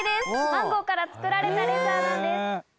マンゴーから作られたレザーなんです。